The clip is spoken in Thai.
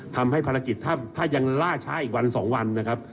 ทำให้ภารกิจถ้ายังล่าช้าอีกวัน๒วันนะครับ